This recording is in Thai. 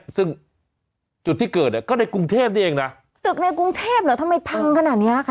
ตรงนี้ซึ่งจุดที่เกิดก็ในกรุงเทพนี่เองนะตึกในกรุงเทพเหรอทำไมพังขนาดนี้ล่ะคะ